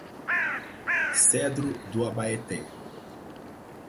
Cedro do Abaeté